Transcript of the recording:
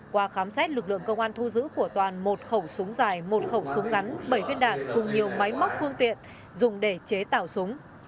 qua khám xét lực lượng công an thu giữ của toàn một khẩu súng dài một khẩu súng ngắn bảy viên đạn cùng nhiều máy móc phương tiện dùng để chế tạo súng